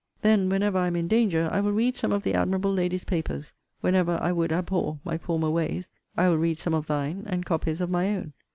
Then, whenever I am in danger, I will read some of the admirable lady's papers: whenever I would abhor my former ways, I will read some of thine, and copies of my own.